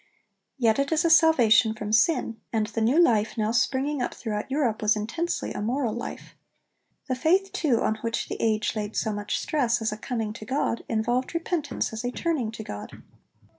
Yet it is a salvation from sin, and the new life now springing up throughout Europe was intensely a moral life. The faith, too, on which the age laid so much stress as a 'coming' to God, involved repentance as a 'turning' to God.